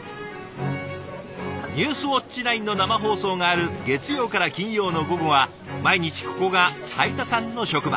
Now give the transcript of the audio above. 「ニュースウオッチ９」の生放送がある月曜から金曜の午後は毎日ここが斉田さんの職場。